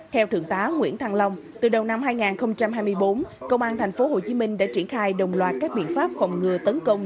theo thượng tá nguyễn thăng long từ đầu năm hai nghìn hai mươi bốn công an tp hcm đã triển khai đồng loạt các biện pháp phòng ngừa tấn công